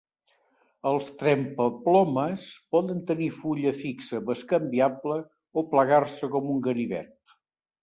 Els trempaplomes poden tenir fulla fixa bescanviable o plegar-se com un ganivet.